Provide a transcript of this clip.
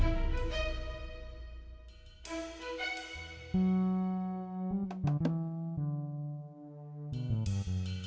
hai nya kita dulu mire ambil susu